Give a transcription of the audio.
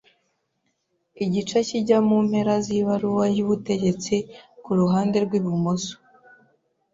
igice kijya mu mpera z’ibaruwa y’ ubutegetsi ku ruhande w’ibumoso.